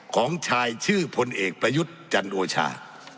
ของชายชื่อพลเอกประยุทธ์จันโอชา